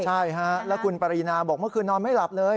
ใช่ฮะแล้วคุณปรินาบอกเมื่อคืนนอนไม่หลับเลย